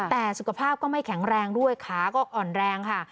แต่สุขภาพก็ไม่แข็งแรงด้วยขาก็อ่อนแรงค่ะ